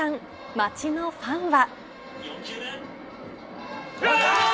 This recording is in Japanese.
街のファンは。